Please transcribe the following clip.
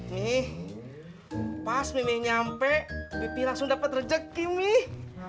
nih pas mimih nyampe pipi langsung dapat rejeki nih